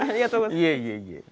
いえいえいえ。